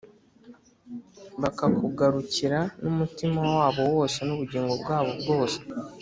bakakugarukira n’umutima wabo wose n’ubugingo bwabo bwose